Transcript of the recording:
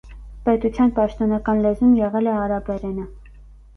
Պետության պաշտոնական լեզուն եղել է արաբերենը։